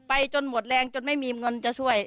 จนหมดแรงจนไม่มีเงินจะช่วย